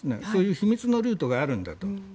そういう秘密のルートがあるんだと。